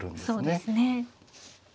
そうですね。